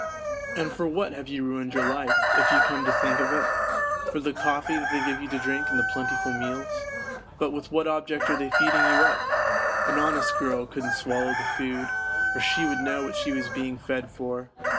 And for what have you ruined your life, if you come to think of it ? For the coffee they give you to drink and the plentiful meals ? But with what object are they feeding you up ? An honest girl couldn't swallow the food, for she would know what she was being fed for.